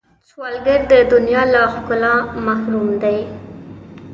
سوالګر د دنیا له ښکلا محروم دی